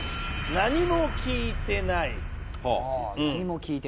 「何も聞いてない」？